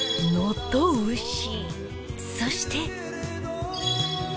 そして